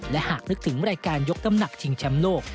และหากนึกถึงรายการยกน้ำหนักชิงแชมป์โลก